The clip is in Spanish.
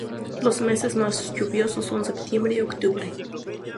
Los meses más lluviosos son septiembre y octubre.